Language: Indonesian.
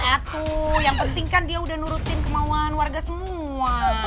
satu yang penting kan dia udah nurutin kemauan warga semua